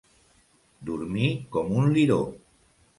Dormir com un liró.